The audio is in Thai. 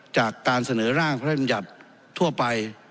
จากการเสนอร่างพระธรรมยัตริย์ทั่วไป